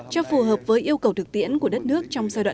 cho phù hợp với yêu cầu thực tiễn của đất nước